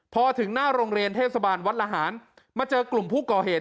พอถึงหน้าโรงเรียนเทศบาลวัดละหารมาเจอกลุ่มผู้ก่อเหตุ